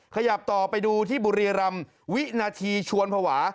ขยับต่อไปดูที่บุรีรำวินาทีชวนภาวะ